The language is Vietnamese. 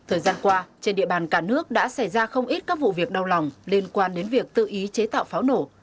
thời gian qua trên địa bàn cả nước đã xảy ra không ít các vụ việc đau lòng liên quan đến việc tự ý chế tạo pháo nổ